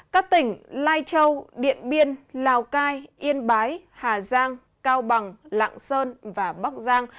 các tỉnh lai châu điện biên lào cai yên bái hà giang cao bằng lạng sơn và bắc giang